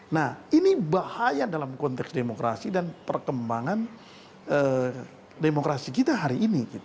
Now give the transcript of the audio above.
nah ini bahaya dalam konteks demokrasi dan perkembangan demokrasi kita hari ini